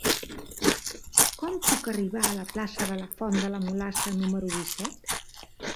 Com puc arribar a la plaça de la Font de la Mulassa número disset?